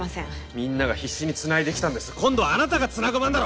みんなが必死につないできたんです今度はあなたがつなぐ番だろ！